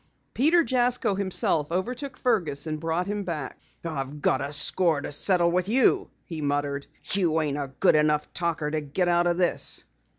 Peter Jasko himself overtook Fergus and brought him back. "I've got a score to settle with you," he muttered. "You ain't a good enough talker to get out of this."